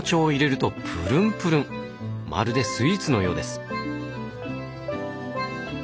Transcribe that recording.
まるでスイーツのようです。